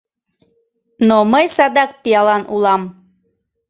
Но мый садак пиалан улам!